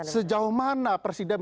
sejauh mana presiden